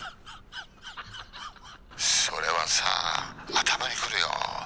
それはさ頭に来るよ